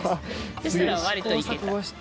そしたら割といけた。